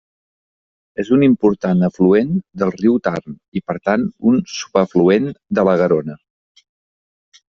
És un important afluent del riu Tarn i per tant un subafluent de la Garona.